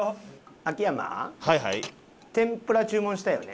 秋山天ぷら注文したよね？